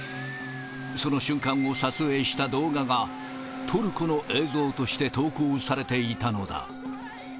その瞬間を撮影した動画が、トルコの映像として投稿されていたのだ。